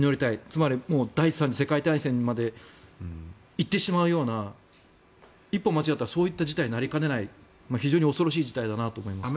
つまり、第３次世界大戦にまで行ってしまうような一歩間違ったらそういった事態になりかねない非常に恐ろしい事態だと思いますね。